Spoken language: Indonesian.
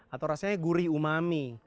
atau rasanya gurih umami